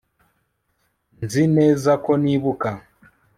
nzi neza ko nibuka